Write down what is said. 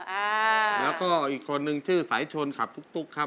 อ่าแล้วก็อีกคนนึงชื่อสายชนขับตุ๊กครับ